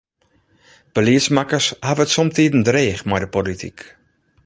Beliedsmakkers hawwe it somtiden dreech mei de polityk.